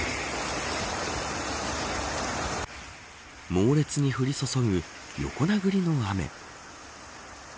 猛烈に降り注ぐ横殴りの雨。